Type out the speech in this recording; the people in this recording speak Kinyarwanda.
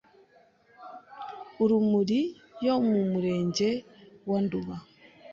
Urumuri yo mu murenge wa Nduba